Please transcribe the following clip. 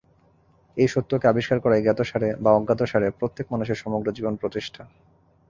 এই সত্যকে আবিষ্কার করাই জ্ঞাতসারে বা অজ্ঞাতসারে প্রত্যেক মানুষের সমগ্র জীবন-প্রচেষ্টা।